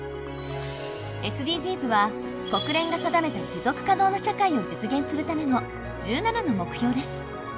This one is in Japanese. ＳＤＧｓは国連が定めた持続可能な社会を実現するための１７の目標です。